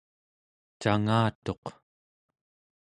cangatuq